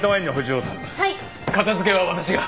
片付けは私が。